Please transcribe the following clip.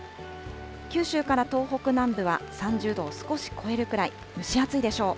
九州から東北南部は３０度少し超えるくらい、蒸し暑いでしょう。